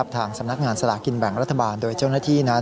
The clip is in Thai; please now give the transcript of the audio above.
ทางสำนักงานสลากินแบ่งรัฐบาลโดยเจ้าหน้าที่นั้น